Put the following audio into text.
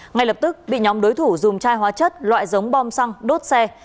ngay lập tức bị nhóm đối thủ dùng chai hóa chất loại giống bom xăng đốt xe